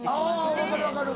あぁ分かる分かる。